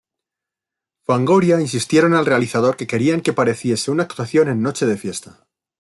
Fangoria insistieron al realizador que querían que pareciese una actuación en Noche de Fiesta.